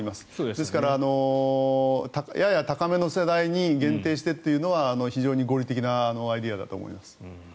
ですからやや高めの世代に限定してというのは非常に合理的なアイデアだと思います。